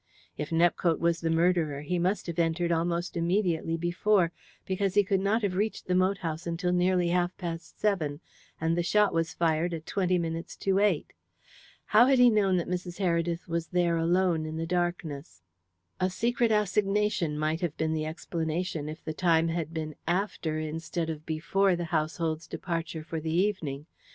If Nepcote was the murderer he must have entered almost immediately before, because he could not have reached the moat house until nearly half past seven, and the shot was fired at twenty minutes to eight. How had he known that Mrs. Heredith was there alone, in the darkness? A secret assignation might have been the explanation if the time had been after, instead of before the household's departure for the evening.